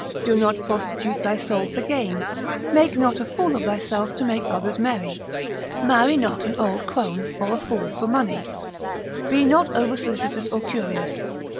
Do not prostitute thy soul for gain. Make not a fool of thyself to make others merry. Marry not an old crony or a fool for money. Be not over solicitous or curious.